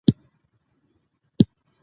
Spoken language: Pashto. که مثال وي نو موضوع نه پټیږي.